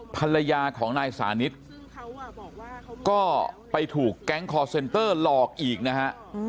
ภรรยาของนายสานิทก็ไปถูกแก๊งคอร์เซ็นเตอร์หลอกอีกนะฮะ